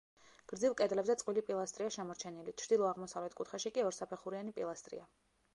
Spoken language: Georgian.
გრძივ კედლებზე წყვილი პილასტრია შემორჩენილი, ჩრდილო-აღმოსავლეთ კუთხეში კი ორსაფეხურიანი პილასტრია.